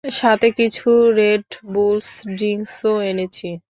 সাথে কিছু Red Bulls ড্রিংকও এনেছি।